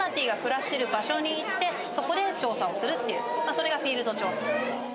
それがフィールド調査なんです。